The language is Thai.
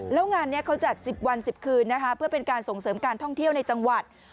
แล้วงานนี้เขาจัด๑๐วัน๑๐คืนนะคะเพื่อเป็นการส่งเสริมการท่องเที่ยวในจังหวัด